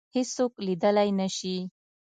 هیڅوک لیدلای نه شي